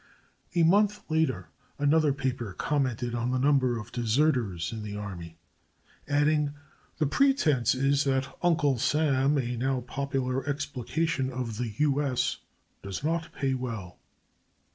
A month later another paper commented on the number of deserters in the army, adding "The pretence is, that Uncle Sam, a now popular explication of the U. S., does not pay well."